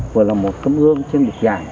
vừa là một tấm gương trên địch dạng